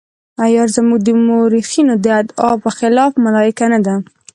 عیار زموږ د مورخینو د ادعا په خلاف ملایکه نه ده.